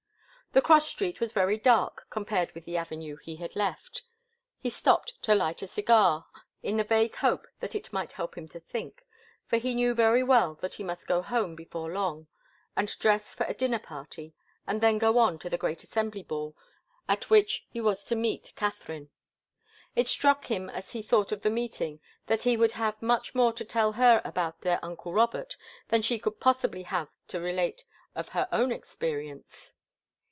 The cross street was very dark compared with the Avenue he had left. He stopped to light a cigar, in the vague hope that it might help him to think, for he knew very well that he must go home before long and dress for a dinner party, and then go on to the great Assembly ball at which he was to meet Katharine. It struck him as he thought of the meeting that he would have much more to tell her about their uncle Robert than she could possibly have to relate of her own experience.